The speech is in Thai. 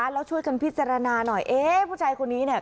แล้วช่วยกันพิจารณาหน่อยเอ๊ะผู้ชายคนนี้เนี่ย